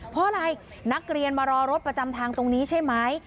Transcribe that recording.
เพราะอะไรนักเรียนมารอรถประจำทางตรงนี้ใช่ไหม